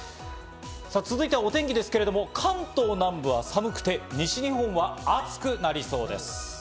さあ、続いてはお天気ですけど関東南部は寒くて、西日本は暑くなりそうです。